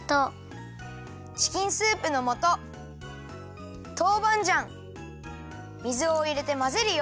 チキンスープのもとトウバンジャン水をいれてまぜるよ。